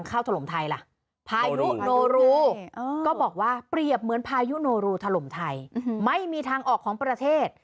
ก็บอกว่าเปรียบเหมือนพายุโนรุถล่มไทยไม่มีทางออกของประเทศ